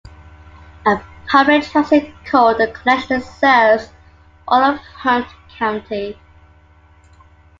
A public transit called The Connection serves all of Hunt County.